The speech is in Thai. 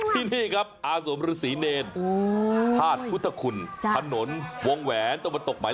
ที่นี่ครับอาสมฤษีเนรภาดพุทธคุณถนนวงแหวนต้นประตบใหม่